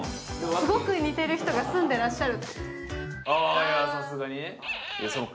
すごく似てる人が住んでらっしゃる。